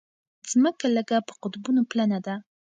ځمکه لږه په قطبونو پلنه ده.